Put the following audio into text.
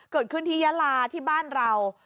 เกิดขึ้นที่ยาลาที่บ้านเรา